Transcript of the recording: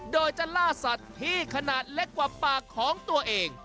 โดยจะล่าสัตว์ที่ขนาดเล็กกว่าปากของตัวเอง